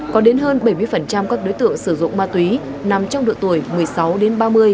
có đến hơn bảy mươi các đối tượng sử dụng ma túy nằm trong độ tuổi một mươi sáu đến ba mươi